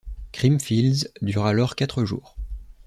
Creamfields dure alors quatre jours.